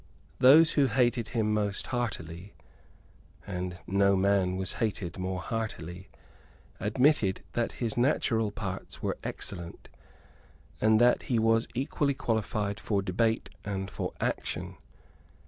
Those who hated him most heartily, and no man was hated more heartily, admitted that his natural parts were excellent, and that he was equally qualified for debate and for action.